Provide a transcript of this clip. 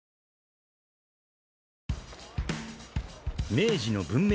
［明治の文明